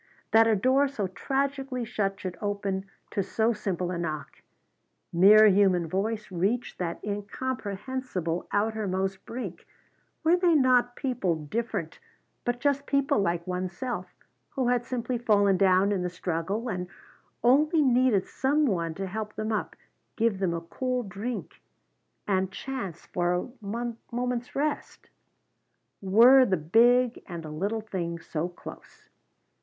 That a door so tragically shut should open to so simple a knock! Mere human voice reach that incomprehensible outermost brink! Were they not people different, but just people like one's self, who had simply fallen down in the struggle, and only needed some one to help them up, give them a cool drink and chance for a moment's rest? Were the big and the little things so close?